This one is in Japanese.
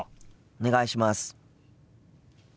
お願いします。